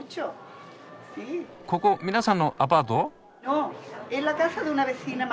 ここ皆さんのアパート？